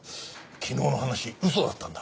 昨日の話嘘だったんだ。